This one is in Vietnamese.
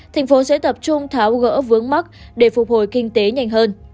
thành phố sẽ tập trung tháo gỡ vướng mắt để phục hồi kinh tế nhanh hơn